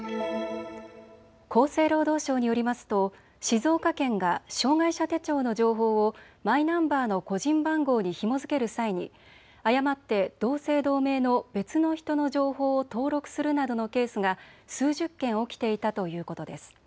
厚生労働省によりますと静岡県が障害者手帳の情報をマイナンバーの個人番号にひも付ける際に誤って同姓同名の別の人の情報を登録するなどのケースが数十件起きていたということです。